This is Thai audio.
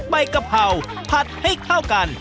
กะเพราผัดให้เข้ากัน